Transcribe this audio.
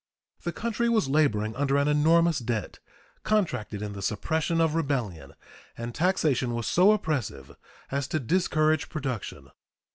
The country was laboring under an enormous debt, contracted in the suppression of rebellion, and taxation was so oppressive as to discourage production.